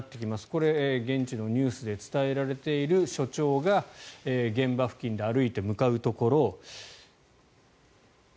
これ、現地のニュースで伝えられている署長が現場付近で歩いて向かうところ。